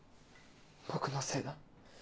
僕のせいだ。